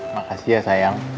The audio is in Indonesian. makasih ya sayang